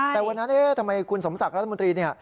แต่วันนั้นทำไมคุณสมศักดิ์รัฐมนตรี